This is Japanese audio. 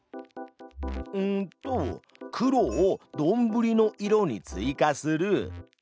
うんと「黒をどんぶりの色に追加する」。